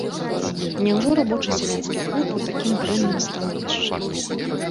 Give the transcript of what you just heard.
Няўжо рабоча-сялянскі клуб у такім дрэнным становішчы?